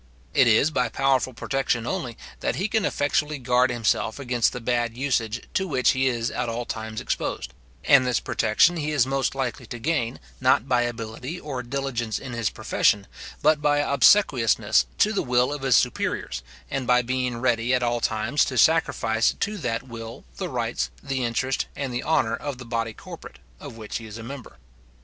It is by powerful protection only, that he can effectually guard himself against the bad usage to which he is at all times exposed; and this protection he is most likely to gain, not by ability or diligence in his profession, but by obsequiousness to the will of his superiors, and by being ready, at all times, to sacrifice to that will the rights, the interest, and the honour of the body corporate, of which he is a member.